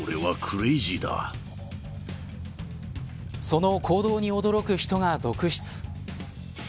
その行動に驚く人が続出。